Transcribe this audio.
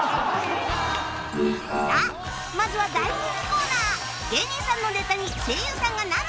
さあまずは大人気コーナー